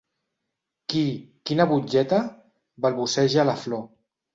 Qui, quina butlleta? —balbuceja la Flor—.